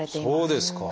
そうですか！